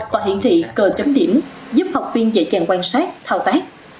và hiển thị cờ chấm điểm giúp học viên dễ dàng quan sát thao tác